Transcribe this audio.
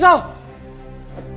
ya makasih ya mas